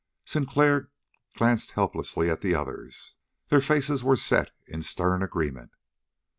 Sinclair glanced helplessly at the others. Their faces were set in stern agreement.